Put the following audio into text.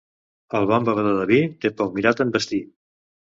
El bon bevedor de vi té poc mirat en vestir.